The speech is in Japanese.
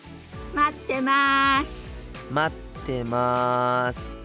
待ってます。